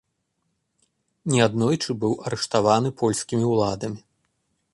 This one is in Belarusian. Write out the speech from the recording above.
Неаднойчы быў арыштаваны польскімі ўладамі.